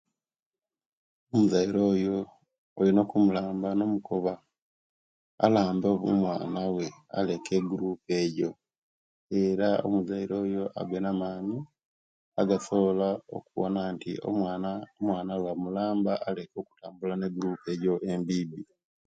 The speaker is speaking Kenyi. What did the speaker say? Omuzaire oyo olina okkumulamba nomukoba alambe omwana we aleke egurup ejo era omuzaire oyo abe na amaani agasobola okubona nti omwana omwana we amulamba aleke okutamula ne egurup ejo embiibbi